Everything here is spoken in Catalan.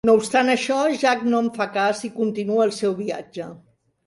No obstant això, Jack no en fa cas i continua el seu viatge.